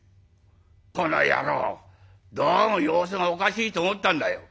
「コノヤローどうも様子がおかしいと思ったんだよ。